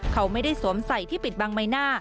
เขาไม่ได้สวมใส่ที่ปิดบังใบหน้า